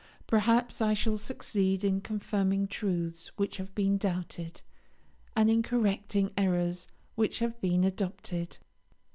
Perhaps I shall succeed in confirming truths which have been doubted, and in correcting errors which have been adopted.